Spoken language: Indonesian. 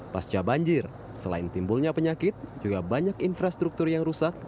pasca banjir selain timbulnya penyakit juga banyak infrastruktur yang rusak